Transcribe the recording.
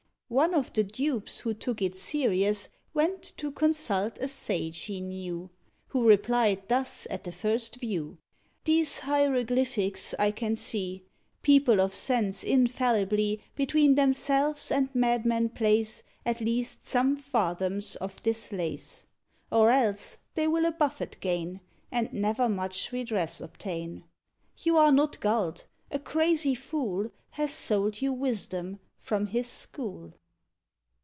One of the dupes who took it serious Went to consult a sage he knew, Who replied thus at the first view: "These hieroglyphics I can see; People of sense infallibly Between themselves and madmen place At least some fathoms of this lace; Or else they will a buffet gain, And never much redress obtain. You are not gulled; a crazy fool Has sold you wisdom from his school."